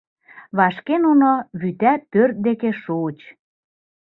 Вашке нуно вӱта пӧрт деке шуыч.